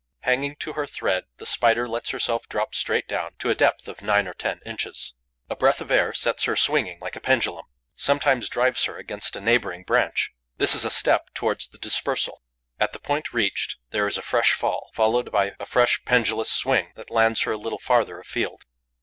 Hanging to her thread, the Spider lets herself drop straight down, to a depth of nine or ten inches. A breath of air sets her swinging like a pendulum, sometimes drives her against a neighbouring branch. This is a step towards the dispersal. At the point reached, there is a fresh fall, followed by a fresh pendulous swing that lands her a little farther afield.